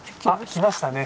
来ましたね。